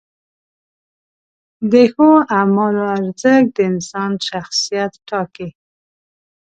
د ښو اعمالو ارزښت د انسان شخصیت ټاکي.